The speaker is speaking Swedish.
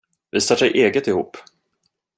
Vi startar eget ihop.